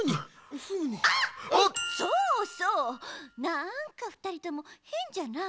なんかふたりともへんじゃない？